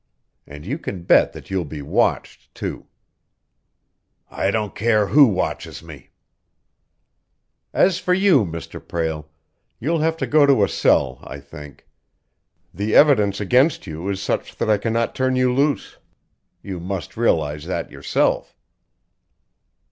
And you can bet that you'll be watched, too." "I don't care who watches me!" "As for you, Mr. Prale, you'll have to go to a cell, I think. The evidence against you is such that I cannot turn you loose. You must realize that yourself."